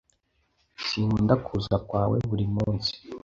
Sinkunda kuza kwawe burimunsi.